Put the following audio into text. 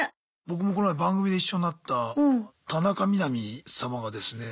僕もこの前番組で一緒になった田中みな実様がですね。